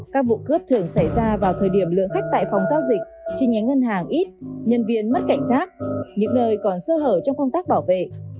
các vụ cướp thường xảy ra vào thời điểm lượng khách tại phòng giao dịch chi nhánh ngân hàng ít nhân viên mất cảnh giác những nơi còn sơ hở trong công tác bảo vệ